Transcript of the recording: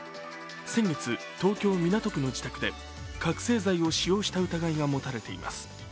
先月、東京・港区の自宅で覚醒剤を使用した疑いが持たれています。